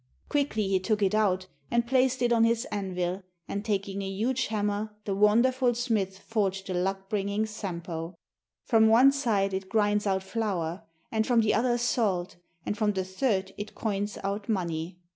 Quickly he took it out and placed it on his anvil, and taking a huge hammer the wonderful smith forged the luck bringing Sampo. From one side it grinds out flour, and from the other salt, and from the third it coins out money.